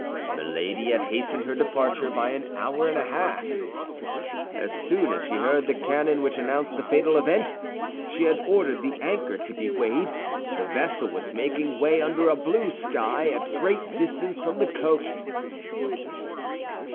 Milady had hastened her departure by an hour and a half. As soon as she heard the cannon which announced the fatal event, she had ordered the anchor to be weighed. The vessel was making way under a blue sky, at great distance from the coast.